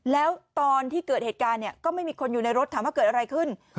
แล้วตอนที่เกิดเหตุการณ์เนี่ยก็ไม่มีคนอยู่ในรถถามว่าเกิดอะไรขึ้น